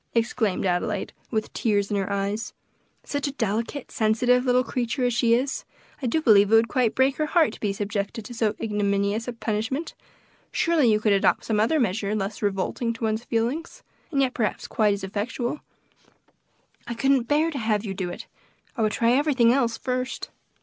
exclaimed Adelaide, with tears in her eyes; "such a delicate, sensitive little creature as she is, I do believe it would quite break her heart to be subjected to so ignominious a punishment; surely you could adopt some other measure less revolting to one's feelings, and yet perhaps quite as effectual. I couldn't bear to have you do it. I would try everything else first."